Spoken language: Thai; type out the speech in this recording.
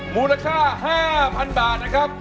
มูลค่า๕๐๐๐บาทนะครับ